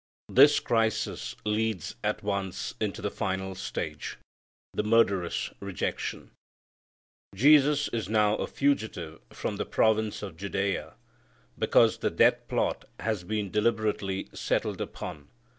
This crisis leads at once into the final stage, the murderous rejection. Jesus is now a fugitive from the province of Judea, because the death plot has been deliberately settled upon.